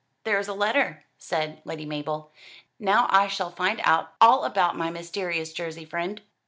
"There is a letter," said Lady Mabel. "Now I shall find out all about my mysterious Jersey friend."